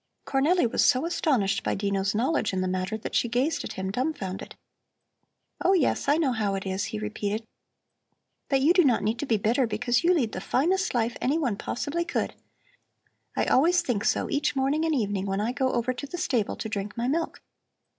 Cornelli was so astonished by Dino's knowledge in the matter that she gazed at him dumfounded. "Oh, yes, I know how it is," he repeated. "But you do not need to be bitter, because you lead the finest life anyone possibly could. I always think so each morning and evening when I go over to the stable to drink my milk.